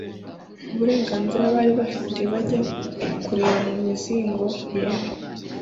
Uburenganenzi bari bafite bajya kureba mu mizingo yera